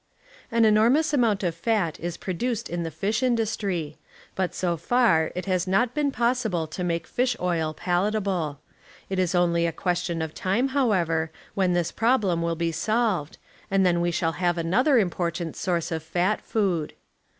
23 An enormous amount of fat is produced in the fish industry, but so far it has not been possible to make fish oil palatable. It is only a question of time, however, when this problem will be solved and then we shall liave another important source of fat food.